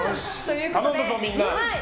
頼むぞ、みんな。